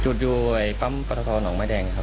จุดอยู่ในปั๊มปอตทหนองไม้แดงครับ